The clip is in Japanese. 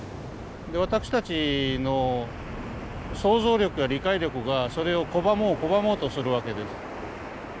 私たちの想像力や理解力がそれを拒もう拒もうとするわけです。